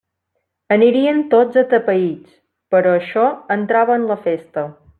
Anirien tots atapeïts, però això entrava en la festa.